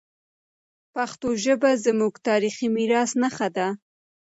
پښتو ژبه زموږ د تاریخي میراث نښه ده.